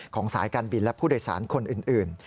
สายการบินและผู้โดยสารคนอื่น